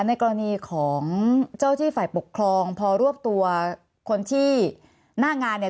ในกรณีของเจ้าที่ฝ่ายปกครองพอรวบตัวคนที่หน้างานเนี่ย